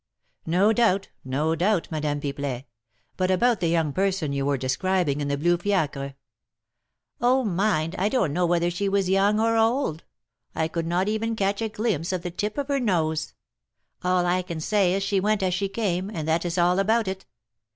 "No doubt, no doubt, Madame Pipelet; but about the young person you were describing in the blue fiacre?" "Oh! mind, I don't know whether she was young or old; I could not even catch a glimpse of the tip of her nose; all I can say is she went as she came, and that is all about it.